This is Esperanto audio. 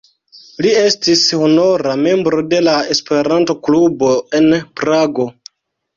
Li estis honora membro de la Esperanto-klubo en Prago.